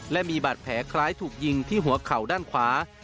และมีบาดแผลคล้ายถูกยิงที่หัวเข่าด้านขวา